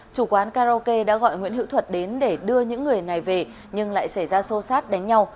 chủ quán karaoke đã gọi nguyễn hữu thuật đến để đưa những người này về nhưng lại xảy ra xô xát đánh nhau